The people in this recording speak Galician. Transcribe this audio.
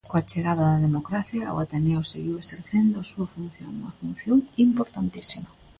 Coa chegada da democracia o Ateneo seguiu exercendo a súa función, unha función importantísima.